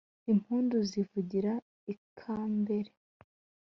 impundu zivugira i kambere